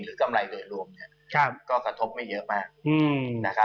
หรือกำไรโดยรวมเนี่ยก็กระทบไม่เยอะมาก